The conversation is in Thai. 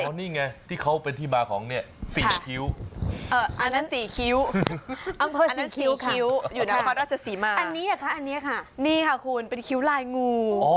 อันนี้ไงที่เขาเป็นที่มาของเนี้ยสี่คิ้วเอออันนั้นสี่คิ้วอันเพิ่มสี่คิ้วค่ะอยู่ในความราชสีมาอันนี้ค่ะอันนี้ค่ะนี่ค่ะคุณเป็นคิ้วลายงูอ๋อ